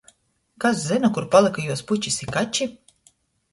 Kas zyna, kur palyka juos pučis i kači.